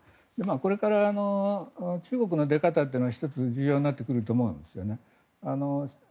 これから中国の出方というのは１つ、重要になってくると思うんですよね。